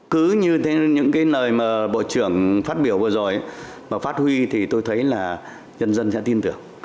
cứ như những cái nơi mà bộ trưởng phát biểu vừa rồi mà phát huy thì tôi thấy là nhân dân sẽ tin tưởng